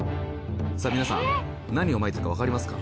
さあ皆さん何をまいてるかわかりますか？